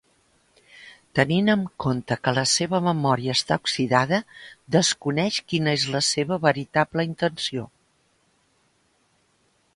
Tenint en compte que la seva memòria està oxidada, desconeix quina és la seva veritable intenció.